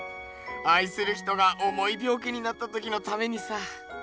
あいする人がおもいびょう気になったときのためにさ。